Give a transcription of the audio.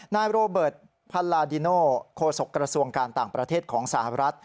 นายโรเบิร์ตพันลาดิโนโคศกระทรวงการต่างประเทศของสหรัฐ